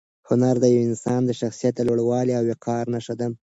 هنر د یو انسان د شخصیت د لوړوالي او وقار نښه ده.